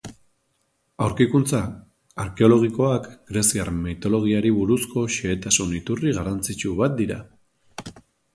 Aurkikuntza arkeologikoak greziar mitologiari buruzko xehetasun iturri garrantzitsu bat dira.